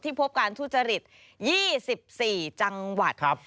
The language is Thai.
ที่พบการทุจริต๒๔จังหวัดครับ